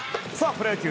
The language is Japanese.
プロ野球